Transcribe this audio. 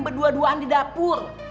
berdua duaan di dapur